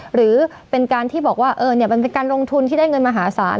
หรือเป็นการที่บอกว่ามันเป็นการลงทุนที่ได้เงินมหาศาล